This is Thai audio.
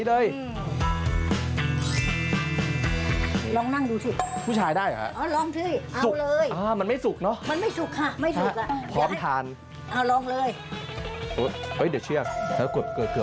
เวลาควันมาอย่างนี้ปุ๊บเราก็